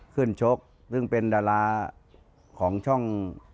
ชกซึ่งเป็นดาราของช่อง